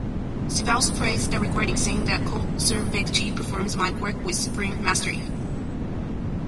Sibelius praised the recording, saying that Koussevitsky performed my work with supreme mastery.